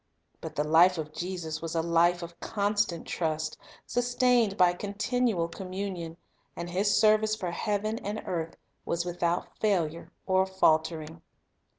But the life of Jesus was a life of constant trust, sustained by con tinual communion ; and His service for heaven and earth was without failure or faltering.